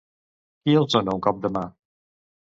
Qui els dona un cop de mà?